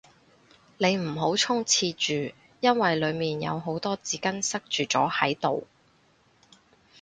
你唔好衝廁住，因為裏面有好多紙巾塞住咗喺度